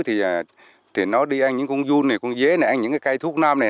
thì nó đi ăn những con run này con dế này ăn những cây thuốc nam này